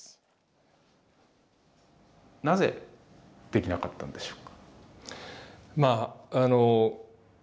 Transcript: なぜできなかったんでしょうか。